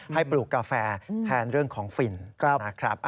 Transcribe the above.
ให้ปลูกกาแฟแทนเรื่องของฟิลล์นะครับ